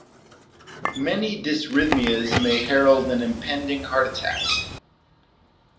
Many dysrhythmias may herald an impending heart attack.